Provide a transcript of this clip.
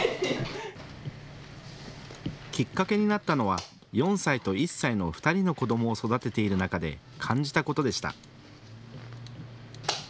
きっかけになったのは４歳と１歳の２人の子どもを育てている中で感じたことでした。